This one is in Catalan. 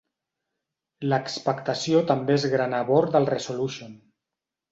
L'expectació també és gran a bord del Resolution.